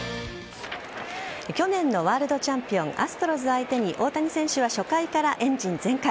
去年のワールドチャンピオンアストロズ相手に大谷選手は初回からエンジン全開。